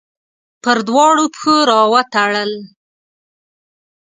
پر دواړو پښو راوتړل